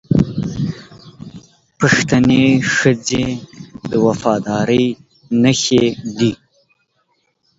پښتنې ښځې د وفادارۍ نښې دي